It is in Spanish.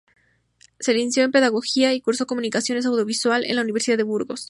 Se licenció en Pedagogía y cursó Comunicación Audiovisual en la Universidad de Burgos.